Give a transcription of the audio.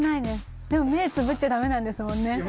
でも、目つぶっちゃだめなんですもんね？